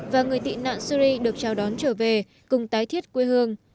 và người tị nạn syri được chào đón trở về cùng tái thiết quê hương